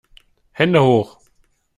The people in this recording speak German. Hände hoch!